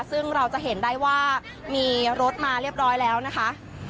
ซึ่งเราจะเห็นได้ว่ามีรถมาเรียบร้อยแล้วนะคะ